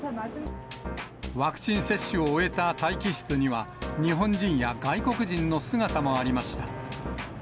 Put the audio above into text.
ワクチン接種を終えた待機室には、日本人や外国人の姿もありました。